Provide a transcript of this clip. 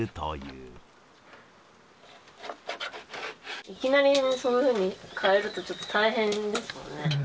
いきなりそんなふうに変えると、ちょっと大変ですよね。